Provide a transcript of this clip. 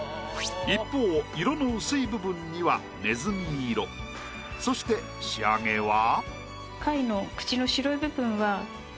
一方色の薄い部分にはねずみ色そして仕上げは。